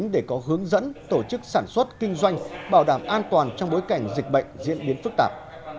để có hướng dẫn tổ chức sản xuất kinh doanh bảo đảm an toàn trong bối cảnh dịch bệnh diễn biến phức tạp